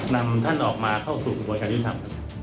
นำท่านออกมาเข้าสู่ประวัติธรรม